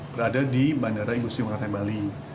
berada di bandara igusti ngurah rai bali